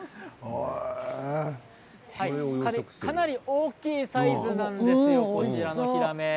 かなり大きいサイズなんですよ、こちらのヒラメ。